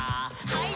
はい。